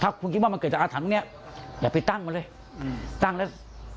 ถ้าคุณคิดว่ามันเกิดจากอาถรรพ์เนี้ยอย่าไปตั้งมาเลยตั้งแล้ว